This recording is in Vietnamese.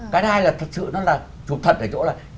cái hai là thật sự nó là chụp thật ở chỗ là